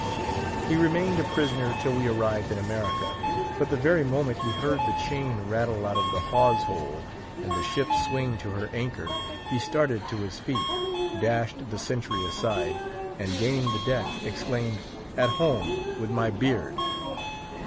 He remained a prisoner till we arrived in America; but the very moment he heard the chain rattle out of the hawse hole, and the ship swing to her anchor, he started to his feet, dashed the sentry aside, and gaining the deck, exclaimed, "At home, with my beard!"